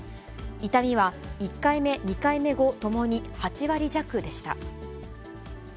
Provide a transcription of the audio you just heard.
痛みは１回目、２回目後ともに８割弱でした。